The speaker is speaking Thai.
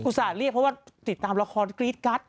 มีสารเรียกเพราะว่าติดตามละครกรีชกัส